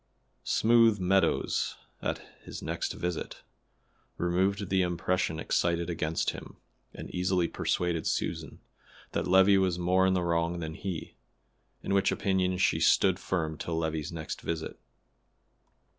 Smooth Meadows, at his next visit, removed the impression excited against him, and easily persuaded Susan that Levi was more in the wrong than he, in which opinion she stood firm till Levi's next visit.